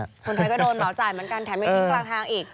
คนไทยก็โดนเหมาจ่ายเหมือนกันแถมยังทิ้งกลางทางอีก